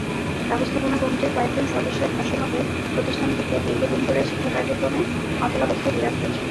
ব্যবস্থাপনা কমিটির কয়েকজন সদস্যের ভাষ্য মতে, প্রতিষ্ঠানটিতে দীর্ঘদিন ধরে শিক্ষাকার্যক্রমে অচলাবস্থা বিরাজ করছে।